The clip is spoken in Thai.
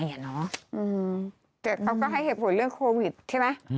แต่เขาก็ให้เหตุผลเรื่องโควิดใช่ไหม